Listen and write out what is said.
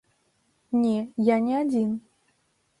Не, я не адзін.